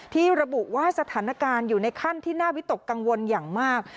ที่ระบุว่าสถานการณ์อยู่ในขั้นที่น่าวิตกกังวลอย่างมาก